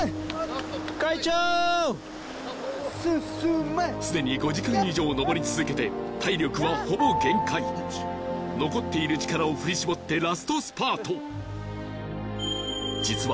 会長進めすでに５時間以上登り続けて体力はほぼ限界残っている力を振り絞ってラストスパート実は